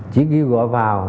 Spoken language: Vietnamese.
chỉ kêu gọi vào